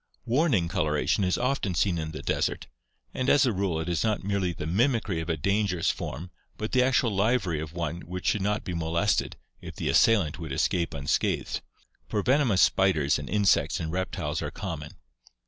Warning coloration is often seen in the desert, and as a rule it is not merely the mimicry of a dangerous form but the actual livery of one which should not be molested if the assailant would escape unscathed, for venomous spiders and insects and reptiles are com Fig. 08.— Spiny lizard, Moloch horrutus. {After Cadow.) mon.